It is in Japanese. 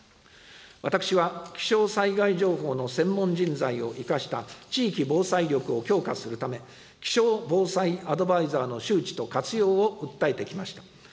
私は気象災害情報の専門人材を生かした地域防災力を強化するため、気象防災アドバイザーの周知と活用を訴えてきました。